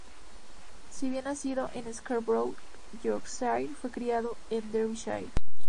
Si bien nació en Scarborough, Yorkshire, fue criado en Derbyshire.